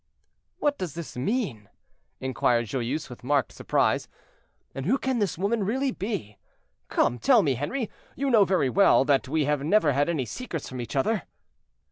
"What does this mean?" inquired Joyeuse, with marked surprise; "and who can this woman really be? Come, tell me, Henri; you know very well that we have never had any secrets from each other."